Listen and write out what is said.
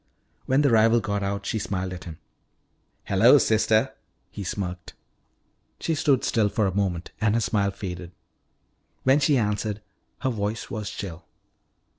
When the rival got out she smiled at him. "Hello, sister," he smirked. She stood still for a moment and her smile faded. When she answered, her voice was chill.